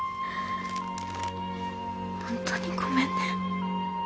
ホントにごめんね。